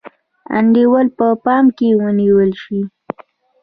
انډول په پام کې ونیول شي.